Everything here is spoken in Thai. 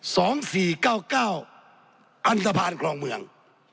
สองสี่เก้าเก้าอันทภาณคลองเมือง